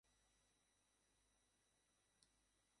সেকারণে, তার রচিত গ্রন্থগুলি যেমন তথ্যে সমৃদ্ধ, তেমনই মনীষায় উজ্জ্বল।